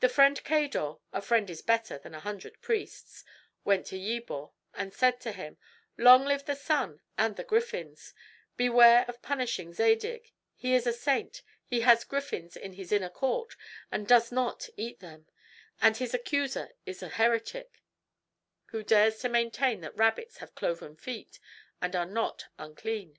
The friend Cador (a friend is better than a hundred priests) went to Yebor, and said to him, "Long live the sun and the griffins; beware of punishing Zadig; he is a saint; he has griffins in his inner court and does not eat them; and his accuser is an heretic, who dares to maintain that rabbits have cloven feet and are not unclean."